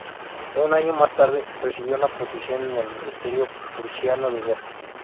Un año más tarde recibió una posición en el Ministerio Prusiano de Guerra.